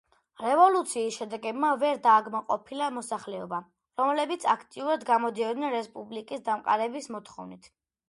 რევოლუციის შედეგებმა ვერ დააკმაყოფილა მოსახლეობა, რომლებიც აქტიურად გამოდიოდნენ რესპუბლიკის დამყარების მოთხოვნით.